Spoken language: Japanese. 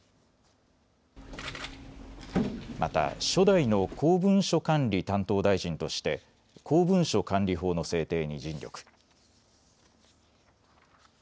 また初代の公文書管理担当大臣として公文書管理法の制定に尽力。